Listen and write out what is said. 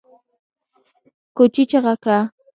کوچي چيغه کړه!